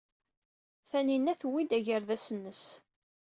Taninna tewwi-d agerdas-nnes.